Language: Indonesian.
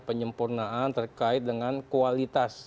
penyempurnaan terkait dengan kualitas